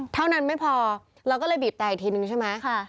เท่านั้นไม่พอเราก็เลยบีบแต่อีกทีนึงใช่ไหม